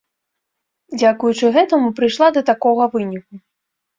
Дзякуючы гэтаму прыйшла да такога выніку.